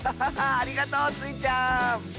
ありがとうスイちゃん！